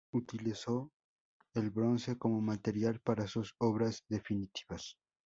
Utilizó el bronce como material para sus obras definitivas.